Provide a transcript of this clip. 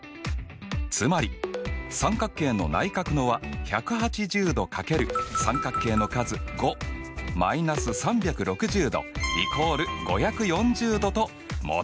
つまり三角形の内角の和１８０°×三角形の数５−３６０°＝５４０°と求められる！